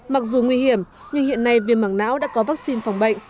mặc dù nguy hiểm nhưng hiện nay viêm mạng não đã có vaccine phòng bệnh